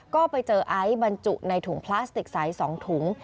ก็ไปเจอไอซ์บรรจุในถุงพลาสติกใส๒ถุง